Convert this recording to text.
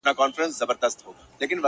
زه مي پر خپلي بې وسۍ باندي تکيه کومه~